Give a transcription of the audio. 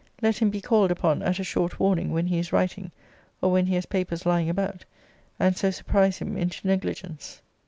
Let him be called upon at a short warning when he is writing, or when he has papers lying about, and so surprise him into negligence.